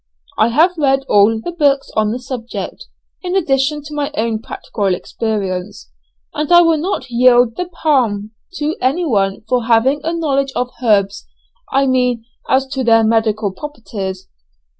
I have read all the books on the subject, in addition to my own practical experience; and I will not yield the palm to anyone for having a knowledge of herbs I mean as to their medical properties.